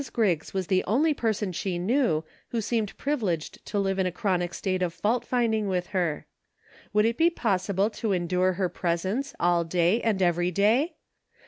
Griggs was the only person she knew, who seemed privileged to live in a chronic state of fault finding with her. Would it be possible to endure her presence, all day, and every day